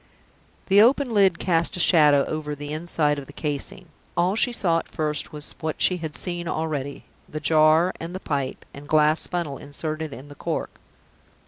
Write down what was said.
The open lid cast a shadow over the inside of the casing. All she saw at first was what she had seen already the jar, and the pipe and glass funnel inserted in the cork.